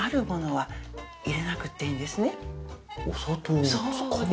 はい